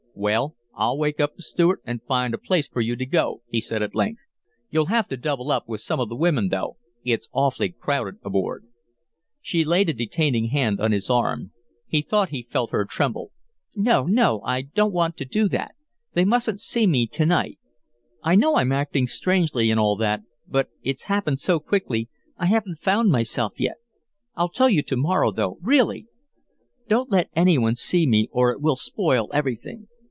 "Well, I'll wake up the steward and find a place for you to go," he said at length. "You'll have to double up with some of the women, though; it's awfully crowded aboard." She laid a detaining hand on his arm. He thought he felt her tremble. "No, no! I don't want you to do that. They mustn't see me to night. I know I'm acting strangely and all that, but it's happened so quickly I haven't found myself yet. I'll tell you to morrow, though, really. Don't let any one see me or it will spoil everything.